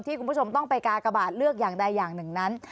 คุณผู้ชมต้องไปกากบาทเลือกอย่างใดอย่างหนึ่งนั้น